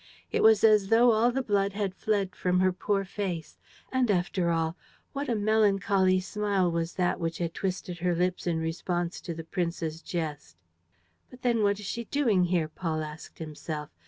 It was as though all the blood had fled from her poor face. And, after all, what a melancholy smile was that which had twisted her lips in response to the prince's jest! "But then what is she doing here?" Paul asked himself.